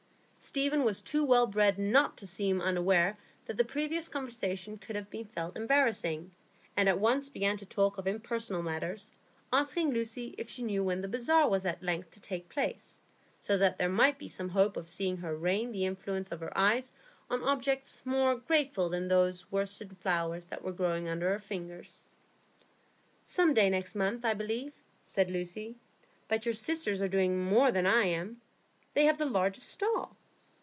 Stephen was too well bred not to seem unaware that the previous conversation could have been felt embarrassing, and at once began to talk of impersonal matters, asking Lucy if she knew when the bazaar was at length to take place, so that there might be some hope of seeing her rain the influence of her eyes on objects more grateful than those worsted flowers that were growing under her fingers. "Some day next month, I believe," said Lucy. "But your sisters are doing more for it than I am; they are to have the largest stall."